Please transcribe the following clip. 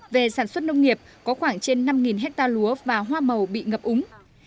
về sản xuất nông nghiệp có khoảng trên năm hectare lúa và hoa màu bị ngập úng